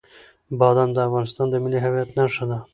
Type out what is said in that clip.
بادام د افغانستان د ملي هویت نښه ده.